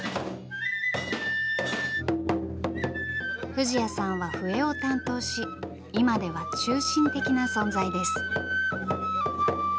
藤彌さんは笛を担当し今では中心的な存在です。